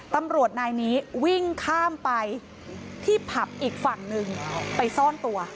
ตำรวจนายนี้วิ่งข้ามไปที่ผับอีกฝั่งหนึ่งไปซ่อนตัว